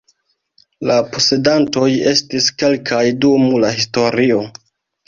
La posedantoj estis kelkaj dum la historio.